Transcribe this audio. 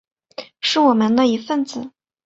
是我们的一分子